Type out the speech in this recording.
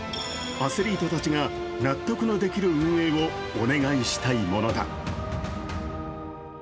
アスリートたちが納得のできる運営をお願いしたいものだ。